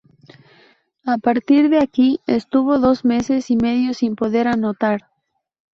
A partir de aquí estuvo dos meses y medio sin poder anotar.